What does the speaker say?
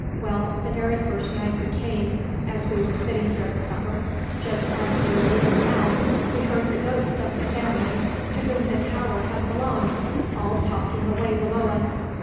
Well, the very first night we came, as we were sitting here at supper, just as we may be now, we heard the ghosts of the family to whom the tower had belonged all talking away below us.